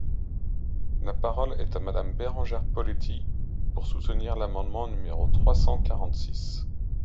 La parole est à Madame Bérengère Poletti, pour soutenir l’amendement numéro trois cent quarante-six.